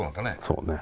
そうね。